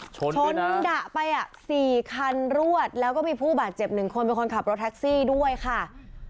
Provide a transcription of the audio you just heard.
ชนชนดะไปอ่ะสี่คันรวดแล้วก็มีผู้บาดเจ็บ๑คนเป็นคนขับรถแท็กซี่ด้วยค่ะ